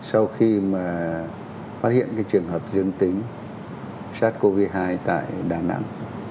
sau khi mà phát hiện cái trường hợp dương tính sars cov hai tại đà nẵng